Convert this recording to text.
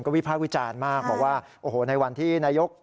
ก็วิพาทวิจารณ์มากบอกว่าไม่ว่าในวันที่หน่ายกรัฐมนตรี